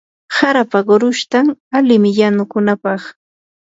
harapa qurushtan alimi yanukunapaq.